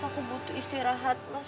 aku butuh istirahat mas